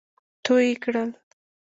تو يې کړل.